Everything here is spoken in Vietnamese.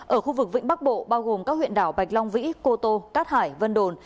ở khu vực vĩnh bắc bộ bao gồm các huyện đảo bạch long vĩ cô tô cát hải vân đồn